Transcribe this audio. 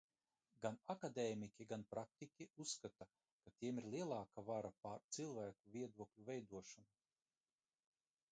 Gan akadēmiķi, gan praktiķi uzskata, ka tiem ir lielāka vara pār cilvēku viedokļu veidošanu.